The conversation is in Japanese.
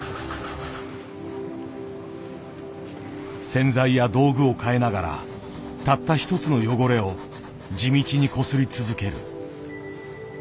洗剤や道具を替えながらたった一つの汚れを地道にこすり続ける。